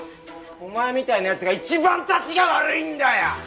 お前みたいなやつが一番タチが悪いんだよ！